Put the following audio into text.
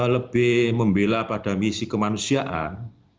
lebih membela pada misi kemanusiaan